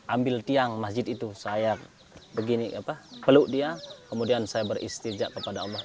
ambil tiang masjid itu saya begini peluk dia kemudian saya beristirjak kepada allah